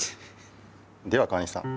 では川西さん